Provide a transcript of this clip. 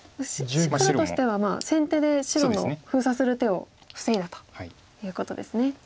黒としてはまあ先手で白の封鎖する手を防いだということですね。